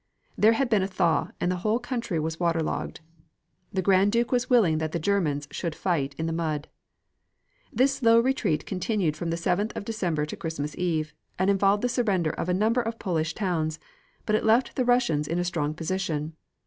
There had been a thaw, and the whole country was waterlogged. The Grand Duke was willing that the Germans should fight in the mud. This slow retreat continued from the 7th of December to Christmas Eve, and involved the surrender of a number of Polish towns, but it left the Russians in a strong position.